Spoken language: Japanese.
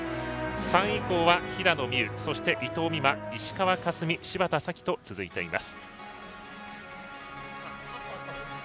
３位以降は平野美宇、伊藤美誠石川佳純芝田沙季と続いています。